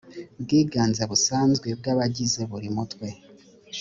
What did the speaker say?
bwiganze busanzwe bw abagize buri mutwe